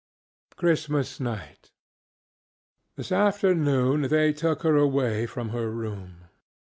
CHRISTMAS NIGHT.ŌĆöThis afternoon they took her away from her room.